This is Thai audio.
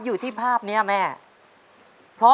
ต้นไม้ประจำจังหวัดระยองการครับ